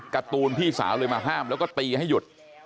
การ์ตูนพี่สาวเลยมาห้ามแล้วก็ตีให้หยุด